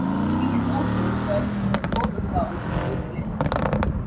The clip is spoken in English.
She has also served on the board of Bowls New Zealand.